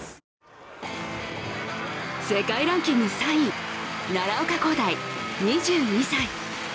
世界ランキング３位、奈良岡功大２２歳。